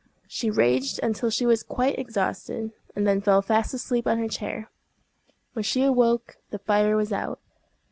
She raged until she was quite exhausted, and then fell fast asleep on her chair. When she awoke the fire was out.